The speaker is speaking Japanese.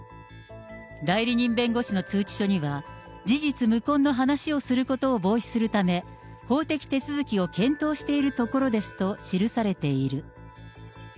代理人弁護士の通知書には、事実無根の話をすることを防止するため、法的手続きを検討しているところですと記されている。